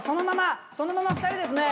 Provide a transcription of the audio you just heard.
そのまま２人ですね